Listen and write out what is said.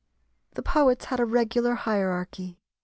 The poets had a regular hierarchy.